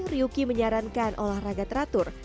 ryuki menyarankan olahraga teratur